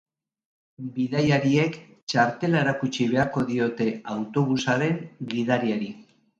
Bidaiariek txartela erakutsi beharko diote autobusaren gidariari.